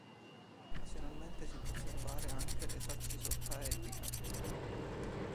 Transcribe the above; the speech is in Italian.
Occasionalmente si può osservare anche l'esacisottaedrica.